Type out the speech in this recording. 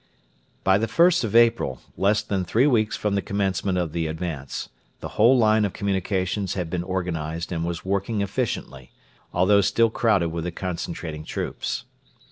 By the 1st of April, less than three weeks from the commencement of the advance, the whole line of communications had been organised and was working efficiently, although still crowded with the concentrating troops.